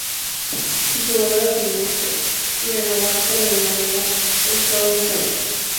El jugador afirmó que, "renovar con el Málaga es todo un sueño.